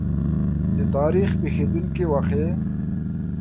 د تاریخ پېښېدونکې واقعې.